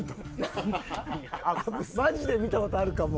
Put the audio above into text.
マジで見たことあるかも。